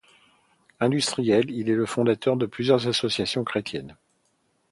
Industriel, il est le fondateur de plusieurs associations chrétiennes.